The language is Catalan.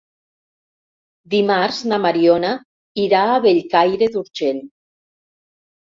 Dimarts na Mariona irà a Bellcaire d'Urgell.